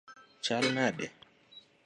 Chal nade?